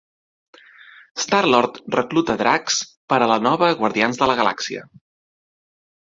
Star-Lord recluta Drax per a la nova Guardians de la Galàxia.